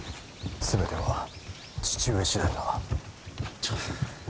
全ては父上次第だ。